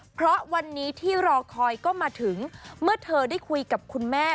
เพราะวันนี้ที่รอคอยก็มาถึงเมื่อเธอได้คุยกับคุณแม่